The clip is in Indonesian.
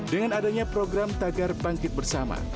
dengan adanya program tagar bangkit bersama